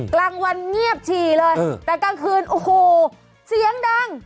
กลางวันเงียบฉี่เลยแต่กลางคืนโอ้โหเสียงดัง